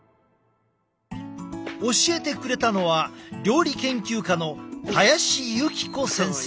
教えてくれたのは料理研究家の林幸子先生。